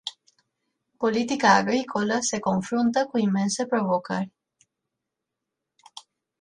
Politica agricolă se confruntă cu imense provocări.